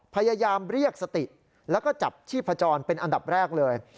พยายามเรียกสติแล้วก็จับชีพจรเป็นอันดับแรกเลย